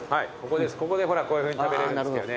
ここでほらこういうふうに食べれるんですけどね。